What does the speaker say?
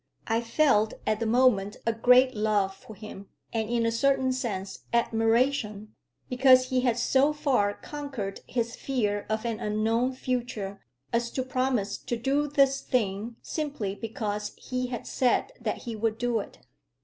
I felt at the moment a great love for him, and in a certain sense admiration, because he had so far conquered his fear of an unknown future as to promise to do this thing simply because he had said that he would do it.